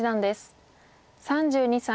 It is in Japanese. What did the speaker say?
３２歳。